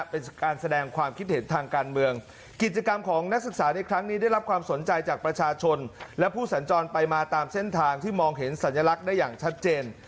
เป็นการแสดงความคิดเห็นทางการเมืองกิจกรรมของนักศึกษาในครั้งนี้ได้รับความสนใจจากประชาชนและผู้สัญจรไปมาตามเส้นทางที่มองเห็นสัญลักษณ์ได้อย่างชัดเจน